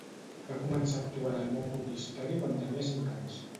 Va començar a actuar en el món publicitari quan tenia cinc anys.